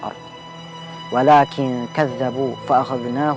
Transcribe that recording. hari ini akirnya kita richtig alhamdulillah